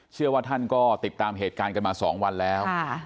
เชื่อว่าท่านก็ติดตามเหตุการณ์กันมา๒วันแล้ว